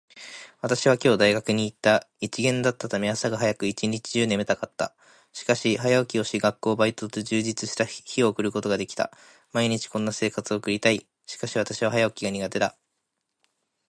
私は今日大学に行った。一限だったため、朝が早く、一日中眠たかった。しかし、早起きをし、学校、バイトと充実した日を送ることができた。毎日こんな生活を送りたい。しかし私は早起きが苦手だ。